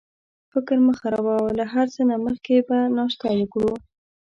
فکر مه خرابوه، له هر څه نه مخکې به ناشته وکړو.